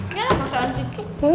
ini adalah masakan kiki